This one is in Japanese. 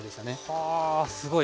はあすごい。